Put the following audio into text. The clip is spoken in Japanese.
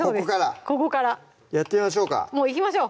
ここからやってみましょうかもういきましょう